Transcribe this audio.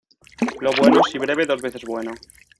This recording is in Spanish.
Lo bueno, si breve, dos veces bueno